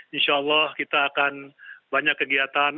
insya allah kita akan banyak kegiatan